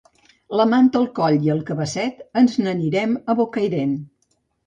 La manta al coll i el cabasset, ens n'anirem a Bocairent.